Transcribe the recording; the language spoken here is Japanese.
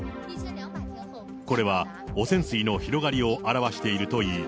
これは汚染水の広がりを表しているという。